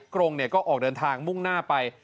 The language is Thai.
กรงก็ออกเดินทางมุ่งหน้าไป